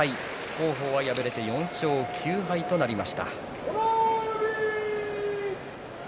王鵬は４勝９敗となりました。